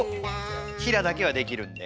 平だけはできるんで。